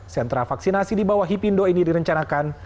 sentra vaksinasi di bawah hipindo ini direncanakan